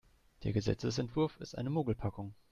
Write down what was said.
Der Gesetzesentwurf ist eine Mogelpackung.